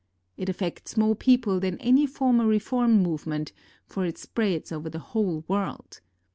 It affects more people than any former reform movement, for it spreads over the whole world.